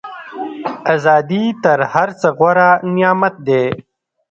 ازادي تر هر څه غوره نعمت دی.